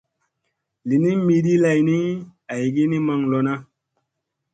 Li ni miɗi lay ni aygi ni maŋ lona.